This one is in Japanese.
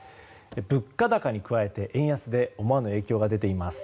物価高に加えて円安で思わぬ影響が出ています。